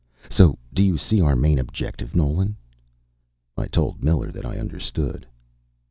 So do you see our main objective, Nolan?" I told Miller that I understood.